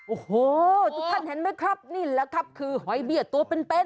โอ้โหทุกท่านเห็นไหมครับนี่แหละครับคือหอยเบี้ยตัวเป็น